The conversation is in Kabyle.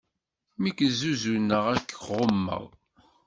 Mi k-zuzuneɣ ad k-ɣummeɣ.